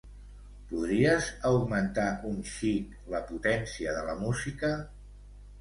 Podries augmentar un xic la potència de la música?